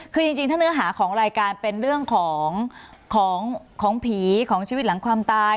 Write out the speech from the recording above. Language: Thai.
คือจริงถ้าเนื้อหาของรายการเป็นเรื่องของของผีของชีวิตหลังความตาย